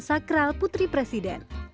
sakral putri presiden